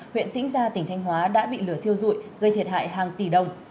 huyện tĩnh gia tỉnh thanh hóa đã bị lửa thiêu dụi gây thiệt hại hàng tỷ đồng